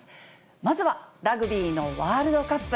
まずはラグビーのワールドカップ。